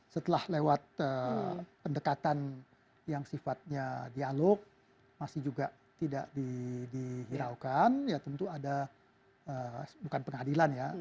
setelah lewat pendekatan yang sifatnya dialog masih juga tidak dihiraukan ya tentu ada bukan pengadilan ya